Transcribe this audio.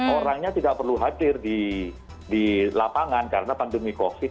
orangnya tidak perlu hadir di lapangan karena pandemi covid